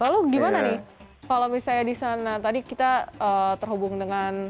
lalu gimana nih kalau misalnya di sana tadi kita terhubung dengan